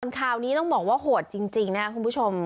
กลางทางนี้ต้องบอกว่าโหดจริงคุณผู้ชม